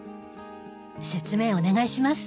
説明お願いします。